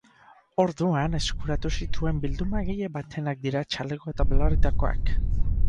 Orduan eskuratu zituen bildumagile batenak dira txalekoa eta belarritakoak.